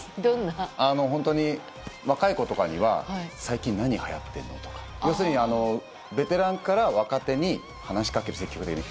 本当に若い子とかには、最近何はやってるの？とか、ようするにベテランから若手に話しかける、積極的に。